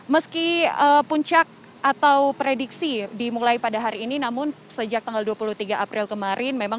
meski puncak atau prediksi dimulai pada hari ini namun sejak tanggal dua puluh tiga april kemarin memang